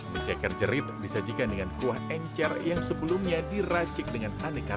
mie ceker adalah menu yang sangat menarik dan menarik